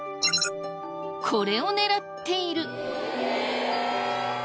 これを狙っている。